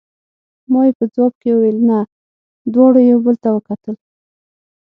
ما یې په ځواب کې وویل: نه، دواړو یو بل ته وکتل.